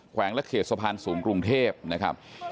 วงและเขตสะพานสูงกรุงเทพนะครับ